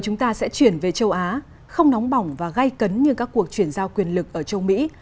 chúng ta sẽ chuyển về châu á không nóng bỏng và gây cấn như các cuộc chuyển giao quyền lực ở châu mỹ